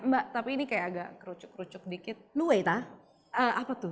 mbak tapi ini kayak agak kerucuk kerucuk dikit lo waita apa tuh